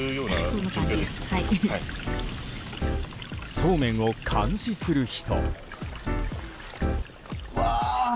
そうめんを監視する人。